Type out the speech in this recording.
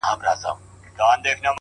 لوړ هدف لویه انرژي زېږوي؛